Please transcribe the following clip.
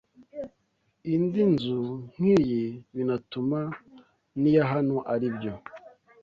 indi nzu nk’iyi binatuma n’iya hano ari byo